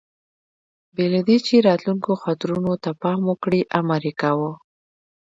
بې له دې، چې راتلونکو خطرونو ته پام وکړي، امر یې کاوه.